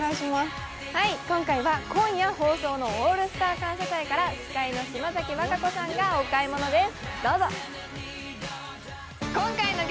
今回は今夜放送の「オールスター感謝祭」から司会の島崎和歌子さんがお買い物です。